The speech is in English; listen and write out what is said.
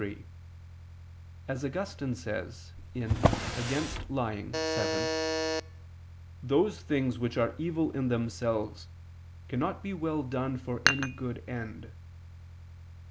3: As Augustine says (Contra Mendacium vii), "those things which are evil in themselves, cannot be well done for any good end."